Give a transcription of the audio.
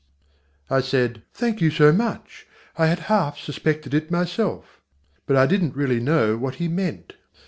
I said: "Thank you so much! I had half suspected it myself." But I didn't really know what he meant.